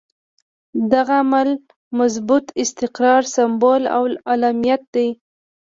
دغه عمل د مضبوط استقرار سمبول او علامت دی.